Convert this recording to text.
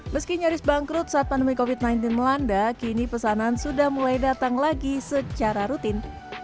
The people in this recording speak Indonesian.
meski nyaris bangkrut saat pandemi covid sembilan belas melanda kini pesanan sudah mulai datang lagi secara rutin